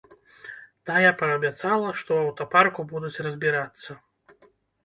Тая паабяцала, што ў аўтапарку будуць разбірацца.